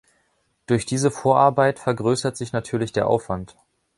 Durch diese Vorarbeit vergrößert sich natürlich der Aufwand.